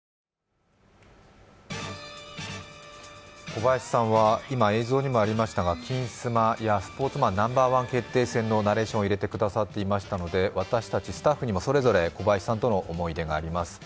小林さんは今、映像にもありましたが、「金スマ」や「スポーツマンＮｏ．１決定戦」のナレーションを入れてくださっていましたので、私たちスタッフにもそれぞれ小林さんとの思い出があります。